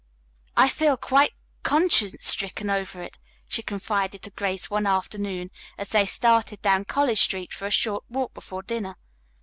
"I feel quite conscience stricken over it," she confided to Grace one afternoon as they started down College Street for a short walk before dinner.